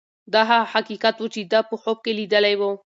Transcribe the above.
دا هغه حقیقت و چې ده په خوب کې لیدلی و.